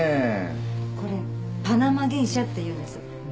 これパナマゲイシャっていうんです。